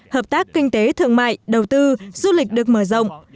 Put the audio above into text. hợp tác kinh tế thương mại đầu tư du lịch được mở rộng